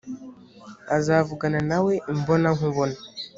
azavugana na we imbonankubone